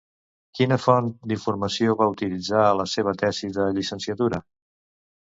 Quina font d'informació va utilitzar a la seva tesi de llicenciatura?